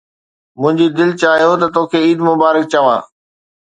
منهنجي دل چاهيو ته توکي عيد مبارڪ چوان.